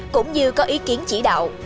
cũng như có ý kiến chỉ đạo